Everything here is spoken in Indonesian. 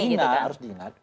karena harus diingat